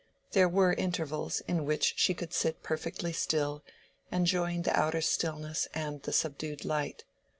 There were intervals in which she could sit perfectly still, enjoying the outer stillness and the subdued light.